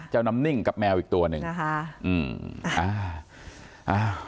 น้ำนิ่งกับแมวอีกตัวหนึ่งนะคะอืมอ่า